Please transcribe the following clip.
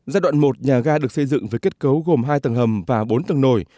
giai đoạn một nhà ga được xây dựng với kết cấu gồm hai tầng hầm và bốn tầng nổi